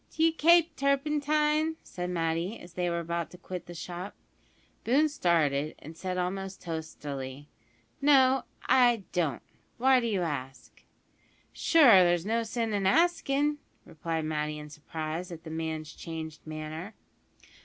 "D'you kape turpentine?" said Matty, as they were about to quit the shop. Boone started, and said almost testily, "No, I don't. Why do you ask?" "Sure, there's no sin in askin'," replied Matty in surprise at the man's changed manner.